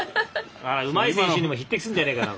うまい選手にも匹敵するんじゃないかな。